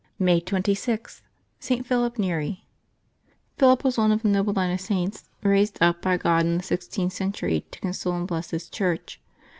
May 26.— ST. PHILIP NERL QHiLip was one of the noble line of Saints raised up by God in the sixteenth century to console and bless His Church.